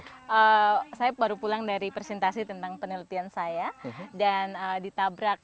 desanya pada saat itu saya baru pulang dari presentasi tentang penelitian saya dan ditabrak